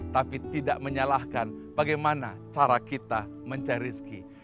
tapi tidak menyalahkan bagaimana cara kita mencari rezeki